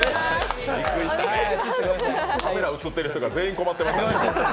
カメラ映ってる人が全員困ってました。